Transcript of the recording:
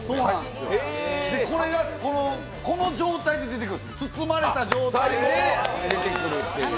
この状態で出てくるんです、包まれた状態で出てくるっていう。